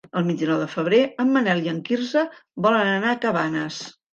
El vint-i-nou de febrer en Manel i en Quirze volen anar a Cabanes.